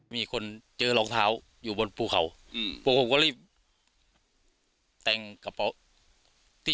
มีคนเจอรองเท้าอยู่บนภูเขาอืมพวกผมก็รีบแต่งกระเป๋าที่